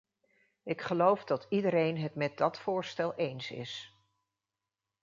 Ik geloof dat iedereen het met dat voorstel eens is.